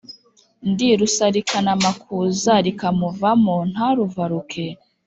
Ndi Rusalikanamakuza rikamuvamo ntaruvaruke.